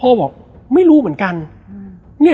แล้วสักครั้งหนึ่งเขารู้สึกอึดอัดที่หน้าอก